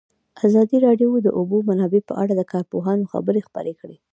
ازادي راډیو د د اوبو منابع په اړه د کارپوهانو خبرې خپرې کړي.